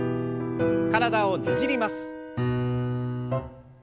体をねじります。